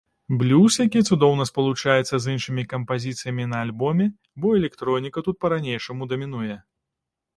Блюз, які цудоўна спалучаецца з іншымі кампазіцыямі на альбоме, бо электроніка тут па-ранейшаму дамінуе.